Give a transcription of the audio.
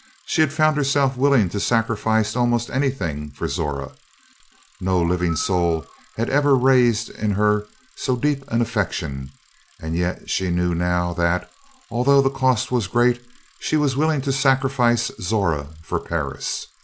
She had found herself willing to sacrifice almost anything for Zora. No living soul had ever raised in her so deep an affection, and yet she knew now that, although the cost was great, she was willing to sacrifice Zora for Paris.